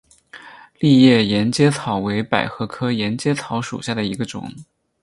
丽叶沿阶草为百合科沿阶草属下的一个种。